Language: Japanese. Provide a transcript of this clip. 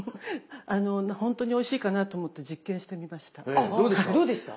本当においしいかなと思って実験してみました。